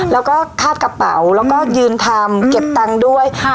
แล้วก็คาดกระเป๋าแล้วก็ยืนทำเก็บตังค์ด้วย